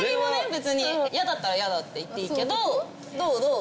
別にやだったら「やだ」って言っていいけどどう？